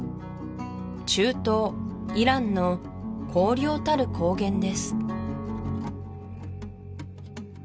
中東イランの荒涼たる高原です